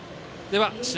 試合